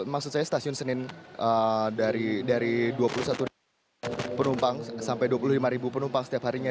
maksud saya stasiun senin dari dua puluh satu penumpang sampai dua puluh lima penumpang setiap harinya